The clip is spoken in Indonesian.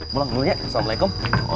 mulai dulu ya waalaikumsalam